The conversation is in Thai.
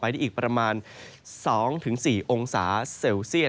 ได้อีกประมาณ๒๔องศาเซลเซียต